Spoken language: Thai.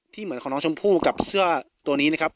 เหมือนของน้องชมพู่กับเสื้อตัวนี้นะครับ